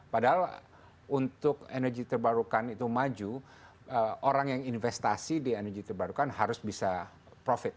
padahal untuk energi terbarukan itu maju orang yang investasi di energi terbarukan harus bisa profit